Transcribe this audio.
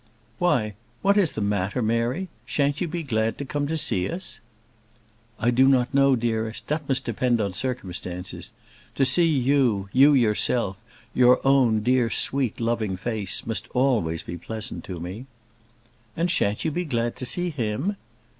"Why, what is the matter, Mary? Shan't you be glad to come to see us?" "I do not know, dearest; that must depend on circumstances. To see you, you yourself, your own dear, sweet, loving face must always be pleasant to me." "And shan't you be glad to see him?"